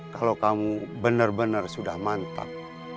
kalo kamu bener bener sudah mantap